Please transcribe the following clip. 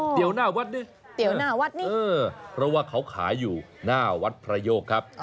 เดี๋ยวหน้าวัดดิเตี๋ยวหน้าวัดนี้เพราะว่าเขาขายอยู่หน้าวัดพระโยกครับ